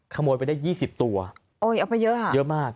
ขโมยไปได้๒๐ตัวเยอะมาก